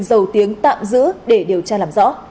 giầu tiếng tạm giữ để điều tra làm rõ